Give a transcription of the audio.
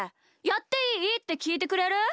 「やっていい？」ってきいてくれる？